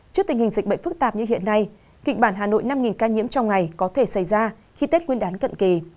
trước tình hình dịch bệnh phức tạp như hiện nay kịch bản hà nội năm ca nhiễm trong ngày có thể xảy ra khi tết nguyên đán cận kỳ